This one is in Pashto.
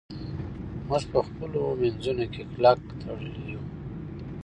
موږ په خپلو منځونو کې کلک تړلي یو.